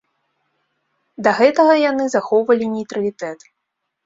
Да гэтага яны захоўвалі нейтралітэт.